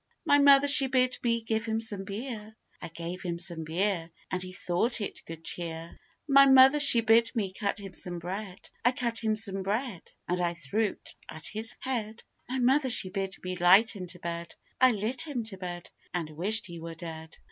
My mother she bid me give him some beer: I gave him some beer, And he thought it good cheer. My mother she bid me cut him some bread: I cut him some bread, And I threw't at his head. My mother she bid me light him to bed: I lit him to bed, And wished he were dead.